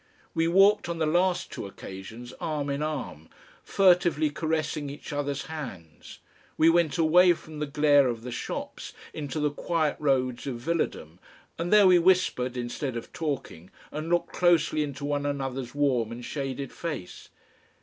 We walked on the last two occasions arm in arm, furtively caressing each other's hands, we went away from the glare of the shops into the quiet roads of villadom, and there we whispered instead of talking and looked closely into one another's warm and shaded face.